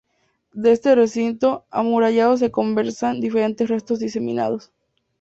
De este recinto amurallado se conservan diferentes restos diseminados.